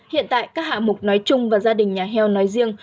hiện tại các hạ mục nói chung và gia đình nhà heo nói riêng